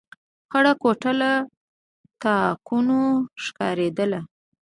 خړه کوټه له تاکونو ښکارېدله.